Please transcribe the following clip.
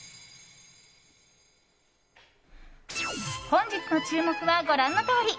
本日の注目は、ご覧のとおり。